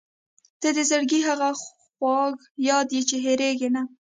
• ته د زړګي هغه خواږه یاد یې چې هېرېږي نه.